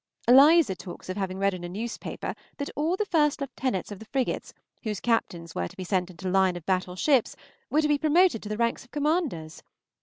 Eliza talks of having read in a newspaper that all the first lieutenants of the frigates whose captains were to be sent into line of battle ships were to be promoted to the rank of commanders.